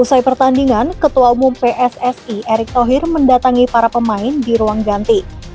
usai pertandingan ketua umum pssi erick thohir mendatangi para pemain di ruang ganti